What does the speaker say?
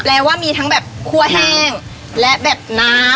ว่ามีทั้งแบบคั่วแห้งและแบบน้ำ